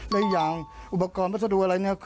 คือยังอุปกรณ์ประสดว์อะไร